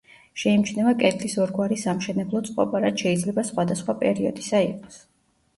შეიმჩნევა კედლის ორგვარი სამშენებლო წყობა, რაც შეიძლება სხვადასხვა პერიოდისა იყოს.